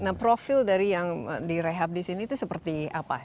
nah profil dari yang direhab di sini itu seperti apa